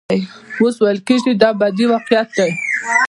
اوس ویل کېږي دا ابدي واقعیت دی.